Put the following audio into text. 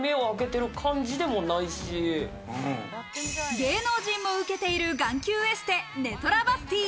芸能人も受けている眼球エステ・ネトラバスティ。